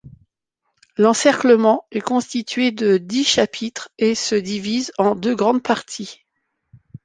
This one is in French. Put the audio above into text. L’encerclement est constitué de dix chapitres et se divise en deux grandes parties.